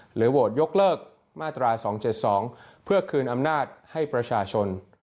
โหวตยกเลิกมาตรา๒๗๒เพื่อคืนอำนาจให้ประชาชน